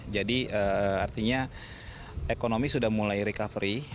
jadi artinya ekonomi sudah mulai recovery